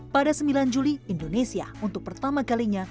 pada sembilan juli indonesia untuk pertama kalinya